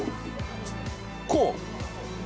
こう？